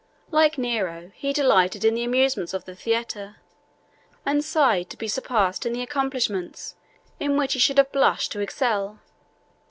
Like Nero, he delighted in the amusements of the theatre, and sighed to be surpassed in the accomplishments in which he should have blushed to excel.